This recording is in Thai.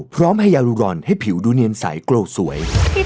พร้อมให้ยารูรอนให้ผิวดูเนียนใสโกรธสวย